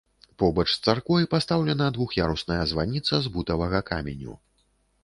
Побач з царквой пастаўлена двух'ярусная званіца з бутавага каменю.